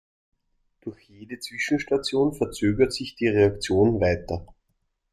Durch jede Zwischenstation verzögert sich die Reaktion weiter.